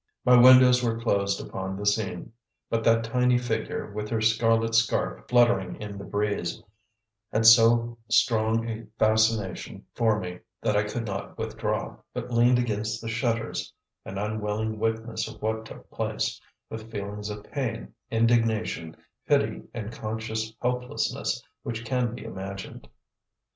My windows were closed upon the scene; but that tiny figure, with her scarlet scarf fluttering in the breeze, had so strong a fascination for me, that I could not withdraw, but leaned against the shutters, an unwilling witness of what took place, with feelings of pain, indignation, pity, and conscious helplessness which can be imagined.